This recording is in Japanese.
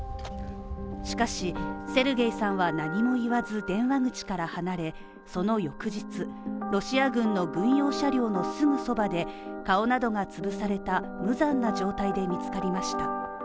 しかし、セルゲイさんは何も言わず電話口から離れその翌日、ロシア軍の軍用車両のすぐそばで顔などが潰された無残な状態で見つかりました。